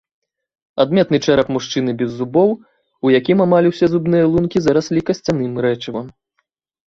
Адметны чэрап мужчыны без зубоў, у якім амаль усе зубныя лункі зараслі касцяным рэчывам.